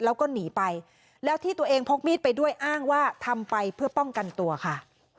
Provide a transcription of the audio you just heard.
แล้วก็หนีไปแล้วที่ตัวเองพกมีดไปด้วยอ้างว่าทำไปเพื่อป้องกันตัวค่ะ